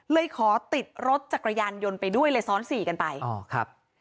เลยขอติดรถจักรยานยนต์ไปด้วยเลยซ้อนสี่กันไปอ๋อครับ